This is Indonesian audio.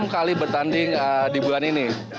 enam kali bertanding di bulan ini